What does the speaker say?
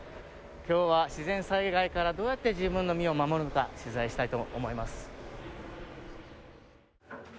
今日は自然災害からどうやって自分の身を守るのか取材したいと思います。